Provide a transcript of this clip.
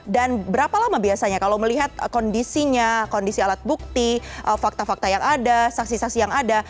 dan berapa lama biasanya kalau melihat kondisinya kondisi alat bukti fakta fakta yang ada saksi saksi yang ada